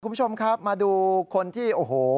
คุณผู้ชมครับมาดูคนที่โอ้โห